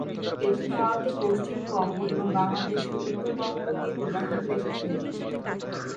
এটি ভারতের পশ্চিমবঙ্গ এবং বাংলাদেশের উত্তরবঙ্গ দিয়ে প্রবাহিত একটি নদী।